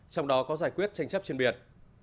trong đó có giải quyết tranh chấp trên biển